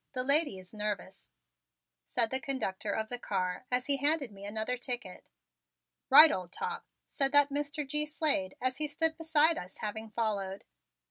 The lady is nervous," said the conductor of the car as he handed me another ticket. "Right, old top," said that Mr. G. Slade as he stood beside us, having followed.